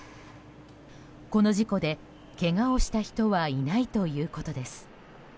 この事故でけがをした人はいないということです。